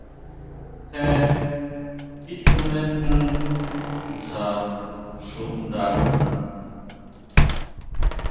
Je titjunejun ntsja xuʼnda.